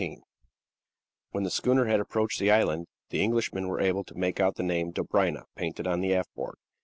SENSITIVE NATIONALITY When the schooner had approached the island, the Englishmen were able to make out the name "Dobryna" painted on the aft board.